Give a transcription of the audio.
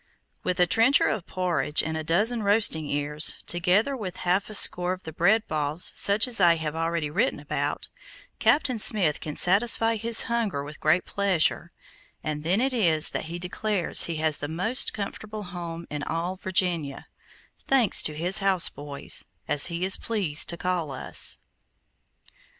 With a trencher of porridge, and a dozen roasting ears, together with a half score of the bread balls such as I have already written about, Captain Smith can satisfy his hunger with great pleasure, and then it is that he declares he has the most comfortable home in all Virginia, thanks to his "houseboys," as he is pleased to call us.